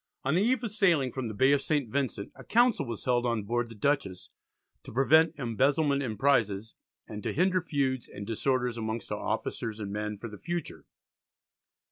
On the eve of sailing from the Bay of St. Vincent a council was held on board the Dutchess "to prevent embezzlement in prizes, and to hinder feuds and disorders amongst our officers and men for the future."